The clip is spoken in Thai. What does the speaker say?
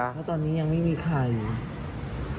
เพราะตอนนี้ยังไม่มีใครอยู่